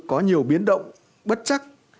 có nhiều biến động bất chắc